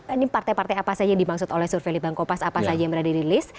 ini partai partai apa saja yang dimaksud oleh survei litbang kompas apa saja yang pernah dirilis